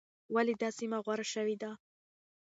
ولې دا سیمه غوره شوې ده؟